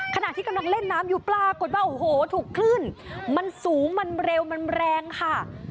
ขณะที่กำลังเล่นน้ำอยู่ปรากฏว่าโอ้โหถูกคลื่นมันสูงมันเร็วมันแรงค่ะ